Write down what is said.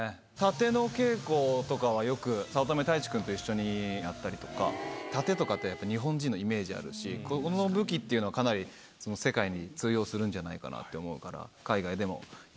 殺陣の稽古とかはよく早乙女太一くんと一緒にやったりとか殺陣とかってやっぱ日本人のイメージあるしこの武器っていうのはかなり世界に通用するんじゃないかなって思うから。